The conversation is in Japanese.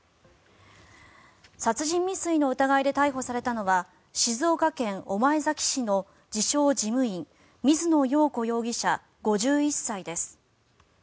殺人未遂の疑いで逮捕されたのは静岡県御前崎市の自称・事務員水野洋子容疑者、５１歳です。